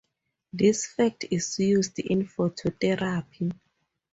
This fact is used in phototherapy.